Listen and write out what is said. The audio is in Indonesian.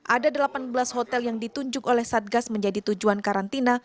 ada delapan belas hotel yang ditunjuk oleh satgas menjadi tujuan karantina